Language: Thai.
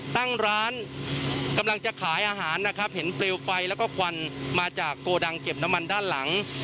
ตั้งร้านกำลังจะขายอาหารนะครับเห็นเปลวไฟแล้วก็ควันมาจากโกดังเก็บน้ำมันด้านหลัง